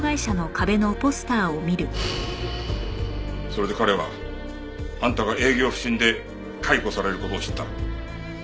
それで彼はあんたが営業不振で解雇される事を知った。